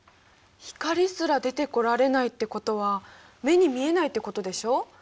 光すら出てこられないってことは目に見えないってことでしょう。